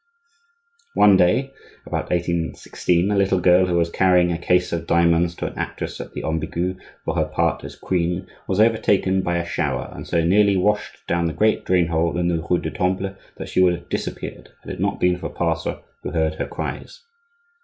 One day, about 1816, a little girl who was carrying a case of diamonds to an actress at the Ambigu, for her part as queen, was overtaken by a shower and so nearly washed down the great drainhole in the rue du Temple that she would have disappeared had it not been for a passer who heard her cries.